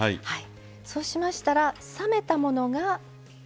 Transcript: そうしましたら冷めたものが。